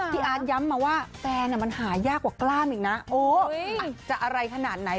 อาร์ตย้ำมาว่าแฟนมันหายากกว่ากล้ามอีกนะโอ้จะอะไรขนาดไหน